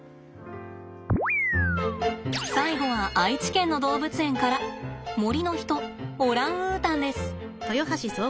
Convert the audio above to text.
最後は愛知県の動物園から森の人オランウータンです。